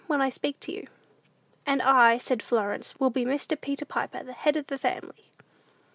when I speak to you." "And I," said Florence, "will be Mr. Peter Piper, the head of the family."